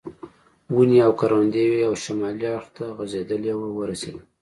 ونې او کروندې وې او شمالي اړخ ته غځېدلې وه ورسېدم.